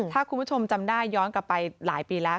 ถ้าคุณผู้ชมจำได้ย้อนกลับไปหลายปีแล้ว